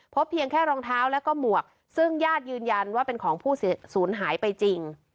เพียงแค่รองเท้าแล้วก็หมวกซึ่งญาติยืนยันว่าเป็นของผู้สูญหายไปจริง